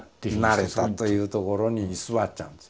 なれたというところに居座っちゃうんです。